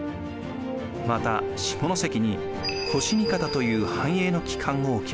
また下関に越荷方という藩営の機関を置きます。